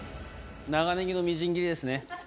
長ネギのみじん切りですね。